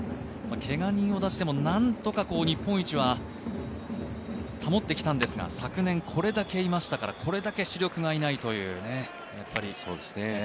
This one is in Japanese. けが人を出しても何とか日本一は保ってきたんですが、昨年これだけ主力がいないというね。